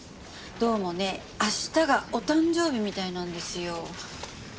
どうもね明日がお誕生日みたいなんですよ。